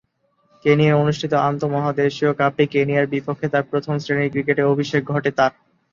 কেনিয়ায় অনুষ্ঠিত আন্তঃমহাদেশীয় কাপে কেনিয়ার বিপক্ষে তার প্রথম-শ্রেণীর ক্রিকেটে অভিষেক ঘটে তার।